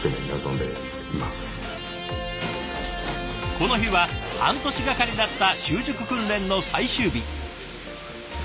この日は半年がかりだった習熟訓練の最終日。